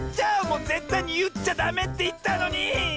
もうぜったいにいっちゃダメっていったのに！